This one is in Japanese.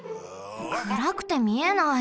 くらくてみえない。